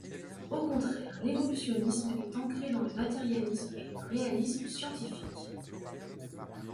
Au contraire, l'évolutionnisme est ancré dans le matérialisme et le réalisme scientifique.